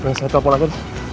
buandien saya telpon aja